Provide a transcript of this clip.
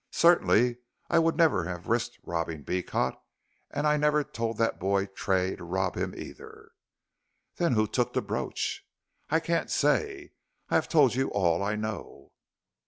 Certainly, I would never have risked robbing Beecot, and I never told that boy Tray to rob either." "Then who took the brooch." "I can't say. I have told you all I know."